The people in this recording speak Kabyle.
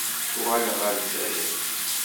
Uɣaleɣ ɣer Lezzayer.